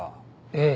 ええ。